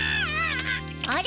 あれ？